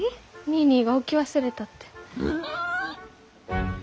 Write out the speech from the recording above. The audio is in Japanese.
ニーニーが置き忘れたって。